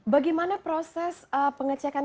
bagaimana proses pengecekan